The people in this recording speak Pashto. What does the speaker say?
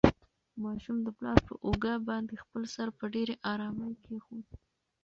ماشوم د پلار په اوږه باندې خپل سر په ډېرې ارامۍ کېښود.